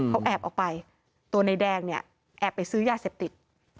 เขาแอบออกไปตัวนายแดงเนี่ยแอบไปซื้อยาเสพติด